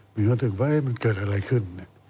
มันจะรู้สึกว่าเกิดอะไรขึ้น